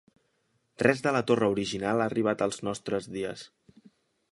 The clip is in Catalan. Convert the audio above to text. Res de la torre original ha arribat als nostres dies.